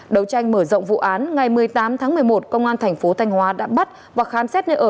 đấu tranh mở rộng vụ án ngày một mươi tám tháng một mươi một công an thành phố thanh hóa đã bắt và khám xét nơi ở